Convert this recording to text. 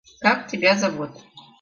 Как тебя зовут?..